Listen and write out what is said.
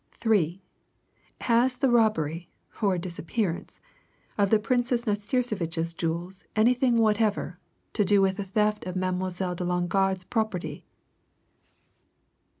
Three Has the robbery, or disappearance, of the Princess Nastirsevitch's jewels anything whatever to do with the theft of Mademoiselle de Longarde's property?